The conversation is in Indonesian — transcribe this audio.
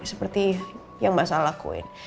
seperti yang mbak sal lakuin